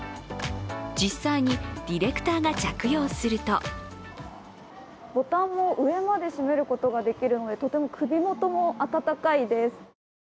実際にディレクターが着用するとボタンも上まで閉めることができるので、とても首元も暖かいです。